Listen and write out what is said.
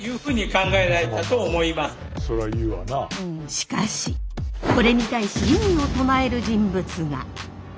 しかしこれに対し異議を唱える人物が。